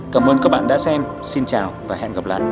cảm ơn các bạn đã xem xin chào và hẹn gặp lại